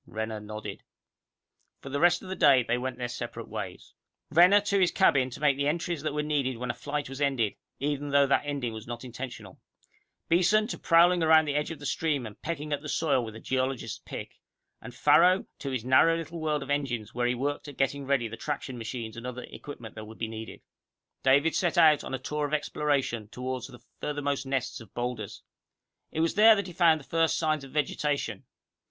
Renner nodded. For the rest of the day they went their separate ways; Renner to his cabin to make the entries that were needed when a flight was ended, even though that ending was not intentional; Beeson to prowling along the edge of the stream and pecking at the soil with a geologist's pick; and Farrow to his narrow little world of engines where he worked at getting ready the traction machines and other equipment that would be needed. David set out on a tour of exploration toward the furthermost nests of boulders. It was there that he found the first signs of vegetation.